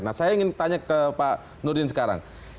nah saya ingin tanya ke pak nurdin sekarang